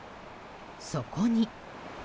そこに。